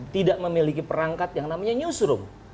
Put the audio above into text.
tidak memiliki perangkat yang namanya newsroom